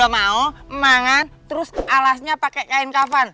makan terus alasnya pakai kain kapan